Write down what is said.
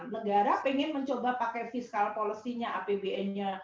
negara ingin mencoba pakai fiscal policy nya apbn nya